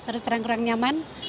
harus terang kurang nyaman